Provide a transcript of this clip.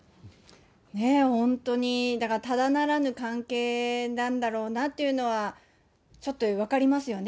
ねえ、本当に、だからただならぬ関係なんだろうなというのは、ちょっと分かりますよね。